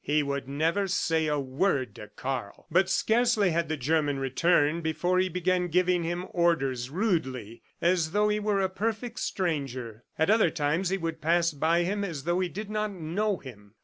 He would never say a word to Karl. But scarcely had the German returned before he began giving him orders rudely as though he were a perfect stranger. At other times he would pass by him as though he did not know him.